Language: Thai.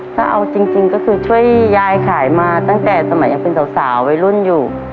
ถ้าเอาจริงก็คือช่วยยายขายมาตั้งแต่สมัยยังเป็นสาววัยรุ่นอยู่